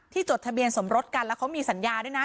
จดทะเบียนสมรสกันแล้วเขามีสัญญาด้วยนะ